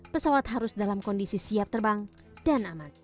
pesawat harus dalam kondisi siap terbang dan aman